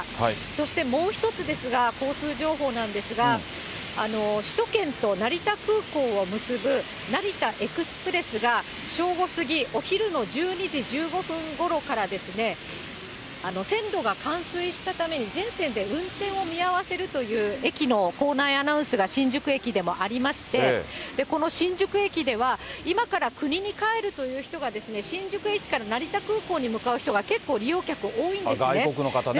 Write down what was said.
そしてもう一つですが、交通情報なんですが、首都圏と成田空港を結ぶ成田エクスプレスが、正午過ぎ、お昼の１２時１５分ごろからですね、線路が冠水したために全線で運転を見合わせるという駅の構内アナウンスが新宿駅でもありまして、この新宿駅では、今から国に帰るという人が、新宿駅から成田空港に向かう人が結構外国の方ね。